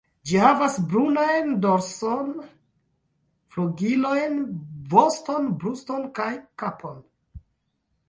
Ĝi havas brunajn dorson, flugilojn, voston, bruston kaj kapon.